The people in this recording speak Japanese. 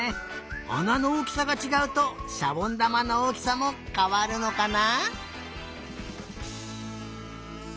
あなのおおきさがちがうとしゃぼんだまのおおきさもかわるのかな？